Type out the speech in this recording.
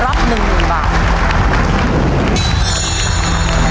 รับ๑๐๐๐บาท